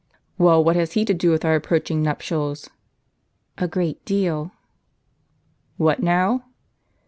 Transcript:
" Well, what has he to do with our approaching nuptials ?"" A great deal." "What now?"